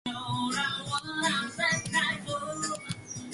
Attie Burger.